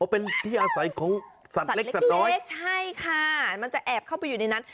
อ๋อเป็นที่อาศัยของสัตว์เล็กใช่ค่ะมันจะแอบเข้าไปอยู่ในนั้น